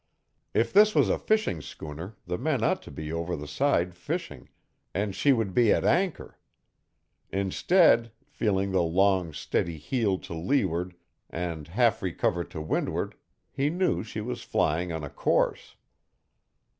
If this was a fishing schooner the men ought to be over the side fishing, and she would be at anchor. Instead, feeling the long, steady heel to leeward and half recover to windward, he knew she was flying on a course.